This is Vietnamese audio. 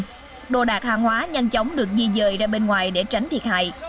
các đồ đạc hàng hóa nhanh chóng được di dời ra bên ngoài để tránh thiệt hại